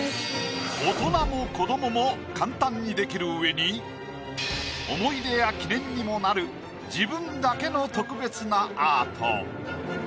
大人も子どもも簡単にできるうえに思い出や記念にもなる自分だけの特別なアート。